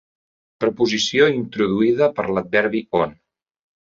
Proposició introduïda per l'adverbi on.